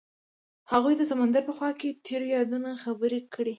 هغوی د سمندر په خوا کې تیرو یادونو خبرې کړې.